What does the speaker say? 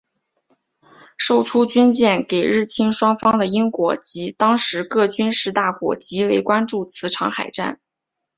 售出军舰给日清双方的英国及当时各军事大国极为关注此场海战。